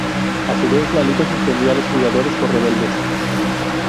A su vez, la Liga suspendió a los jugadores por "rebeldes".